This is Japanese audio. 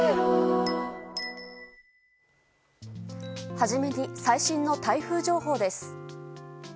初めに最新の台風情報です。